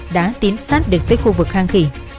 đã tiến sát được tới khu vực hang khỉ